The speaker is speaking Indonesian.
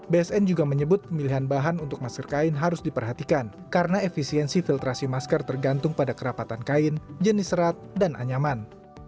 bsn juga menyebut pemilihan bahan untuk masker kain harus diperhatikan karena efisiensi filtrasi masker tergantung pada kerapatan kain jenis serat dan anyaman